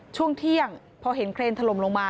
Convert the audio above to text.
ช่วงเที่ยงพอเห็นเครนถล่มลงมา